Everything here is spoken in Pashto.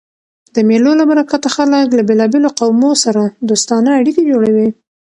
د مېلو له برکته خلک له بېلابېلو قومو سره دوستانه اړيکي جوړوي.